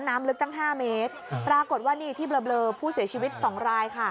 น้ำลึกตั้ง๕เมตรปรากฏว่านี่ที่เบลอผู้เสียชีวิตสองรายค่ะ